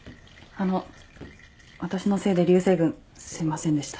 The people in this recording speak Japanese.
あの私のせいで流星群すいませんでした。